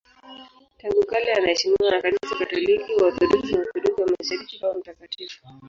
Tangu kale anaheshimiwa na Kanisa Katoliki, Waorthodoksi na Waorthodoksi wa Mashariki kama mtakatifu.